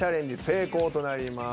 成功となります。